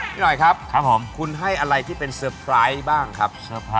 หน่อยครับครับผมคุณให้อะไรที่เป็นเซอร์ไพรส์บ้างครับ